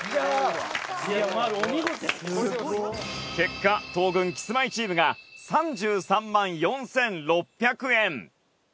清水：結果東軍・キスマイチームが３３４６００円。